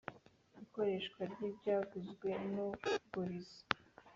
n ikodesha ry ibyaguzwe n uguriza